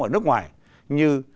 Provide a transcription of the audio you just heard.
ở nước ngoài như